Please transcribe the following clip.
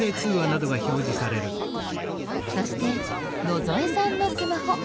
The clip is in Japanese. そして野添さんのスマホ。